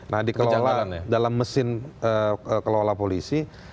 nah dikelola dalam mesin kelola polisi